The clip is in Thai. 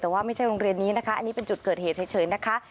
แต่ว่าไม่ใช่โรงเรียนนี้นะคะอันนี้เป็นจุดเกิดเหตุเฉยนะคะ